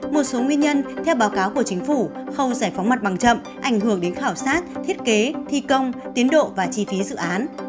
một số nguyên nhân theo báo cáo của chính phủ khâu giải phóng mặt bằng chậm ảnh hưởng đến khảo sát thiết kế thi công tiến độ và chi phí dự án